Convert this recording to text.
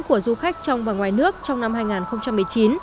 của du khách trong và ngoài nước trong năm hai nghìn một mươi chín